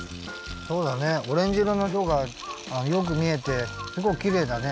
そうだねオレンジいろのいろがよくみえてすごくきれいだね。